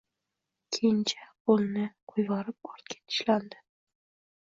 Kenja qo‘l-ni qo‘yvorib ortga tislandi.